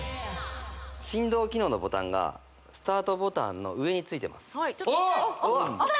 振動機能のボタンがスタートボタンの上についてますきた！